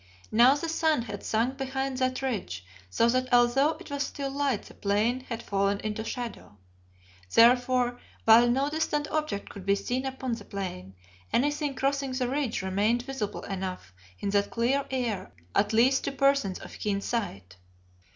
Now the sun had sunk behind that ridge so that although it was still light the plain had fallen into shadow. Therefore, while no distant object could be seen upon the plain, anything crossing the ridge remained visible enough in that clear air, at least to persons of keen sight.